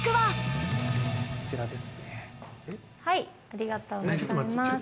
ありがとうございます。